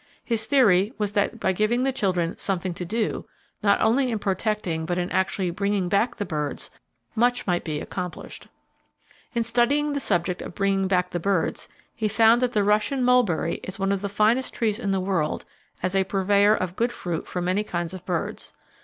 His theory was that by giving the children something to do, not only in protecting but in actually bringing back the birds, much might be accomplished. BIRD DAY AT CARRICK, PA. Marching Behind the Governor In studying the subject of bringing back the birds, he found that the Russian mulberry is one of the finest trees in the world as a purveyor of good fruit for many kinds of birds.